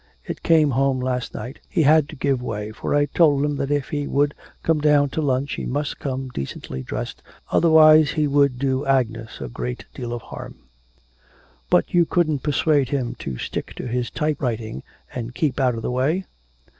It came home last night. He had to give way, for I told him that if he would come down to lunch he must come decently dressed, otherwise he would do Agnes a great deal of harm.' 'But you couldn't persuade him to stick to his type writing, and keep out of the way?'